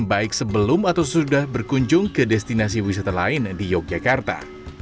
baik sebelum atau sudah berkunjung ke destinasi wisata lain di yogyakarta